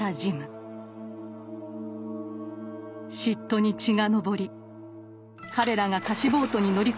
嫉妬に血が上り彼らが貸しボートに乗り込むと後を追います。